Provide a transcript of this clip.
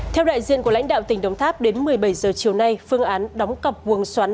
theo đại diện của lãnh đạo tỉnh đồng tháp đến một mươi bảy h chiều nay phương án đóng cọc buồng xoắn